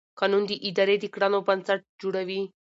قانون د ادارې د کړنو بنسټ جوړوي.